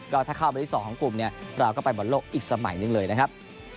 ก็ถ้าเข้าไปที่๒ของกลุ่มเนี่ยเราก็ไปบอลโลกอีกสมัยหนึ่งเลยนะครับ